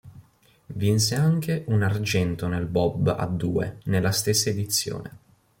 Vinse anche un argento nel bob a due nella stessa edizione.